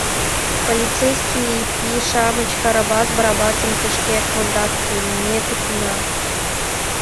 Полицейский пий-шамыч Карабас Барабасым тышке кондат гын, ме пытена.